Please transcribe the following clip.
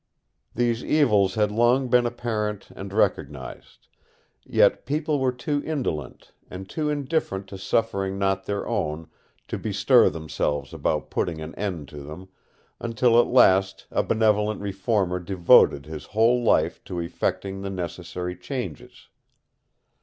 These evils had long been apparent and recognised; yet people were too indolent, and too indifferent to suffering not their own, to bestir themselves about putting an end to them, until at last a benevolent reformer devoted his whole life to effecting the necessary changes.